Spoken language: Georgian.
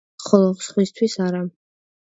ხოლო სხვისთვის არა.